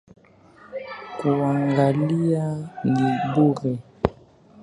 Kuangalia ni bure.